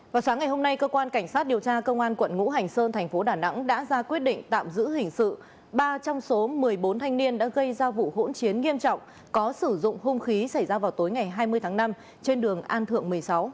vào sáng ngày hôm nay cơ quan cảnh sát điều tra công an quận ngũ hành sơn thành phố đà nẵng đã ra quyết định tạm giữ hình sự ba trong số một mươi bốn thanh niên đã gây ra vụ hỗn chiến nghiêm trọng có sử dụng hung khí xảy ra vào tối ngày hai mươi tháng năm trên đường an thượng một mươi sáu